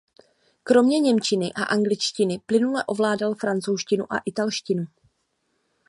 Kromě němčiny a angličtiny plynule ovládal francouzštinu a italštinu.